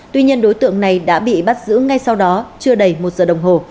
tuy nhiên đối tượng này đã bị bắt giữ ngay sau đó chưa đầy một giờ đồng hồ